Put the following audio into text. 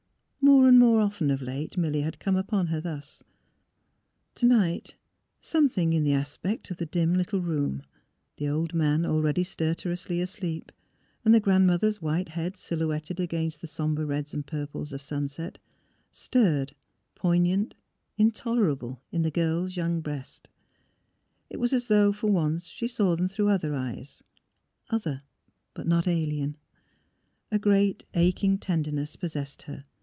More and more often of late Milly had come upon her thus. To night, some thing in the aspect of the dim, little room — the old man, already stertorously asleep, and the grandmother's white head, silhouetted against the sombre reds and purples of sunset — stirred, poignant — intolerable, in the young girl's breast. It was as though for once she saw them through other eyes — other, but not alien. ... A great aching tenderness possessed her.